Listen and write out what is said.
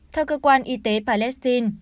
theo cơ quan y tế palestine